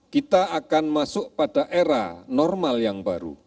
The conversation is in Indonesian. kita akan masuk pada era normal yang baru